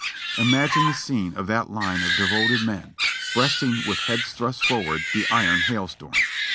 Imagine the scene of that line of devoted men, breasting, with heads thrust forward, the iron hail storm.